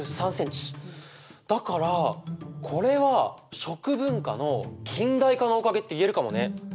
だからこれは食文化の近代化のおかげって言えるかもね！